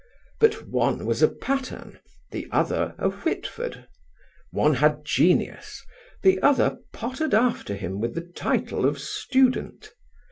But one was a Patterne; the other a Whitford. One had genius; the other pottered after him with the title of student.